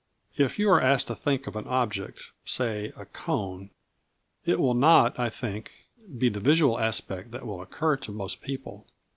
If you are asked to think of an object, say a cone, it will not, I think, be the visual aspect that will occur to most people.